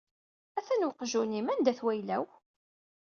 Atan weqjun-im, anda-t wayla-w?